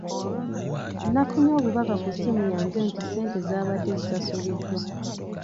Nafunye obubaka ku ssimu yange nti ssente zaabadde zisasuliddwa.